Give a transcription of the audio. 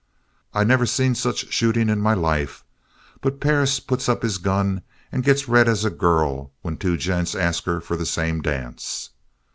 "I never see such shooting in my life. But Perris puts up his gun and gets red as a girl when two gents ask her for the same dance.